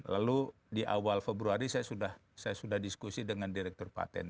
lalu di awal februari saya sudah diskusi dengan direktur paten